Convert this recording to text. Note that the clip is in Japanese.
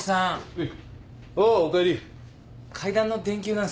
はい。